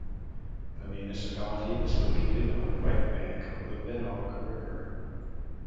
The municipality is located on the right bank of the Venoge river.